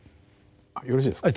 あよろしいですか。